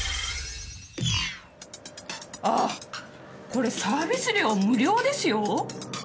これサービス料無料ですよ。